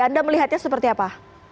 anda melihatnya seperti apa